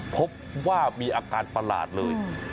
พบว่ามีอาการประหลาดเลย